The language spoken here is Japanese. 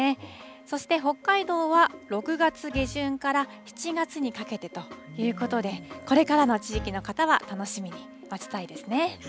そして北海道は６月下旬から７月にかけてということで、これからの地域の方は楽しみに待ちたいですね。